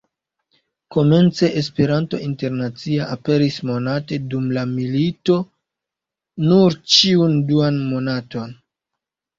Komence "Esperanto Internacia" aperis monate, dum la milito nur ĉiun duan monaton.